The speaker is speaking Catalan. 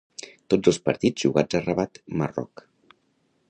Tots els partits jugats a Rabat, Marroc.